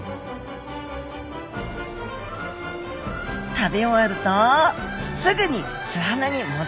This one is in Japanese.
食べ終わるとすぐに巣穴に戻ってきます！